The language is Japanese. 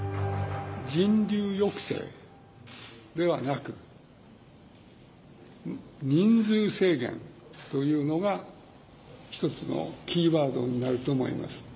人流抑制ではなく、人数制限というのが一つのキーワードになると思います。